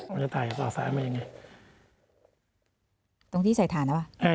มันจะต่อสายออกมายังไงตรงที่ใส่ฐานแล้วอ่ะอ่า